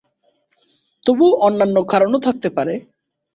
তবুও অন্যান্য কারণও থাকতে পারে।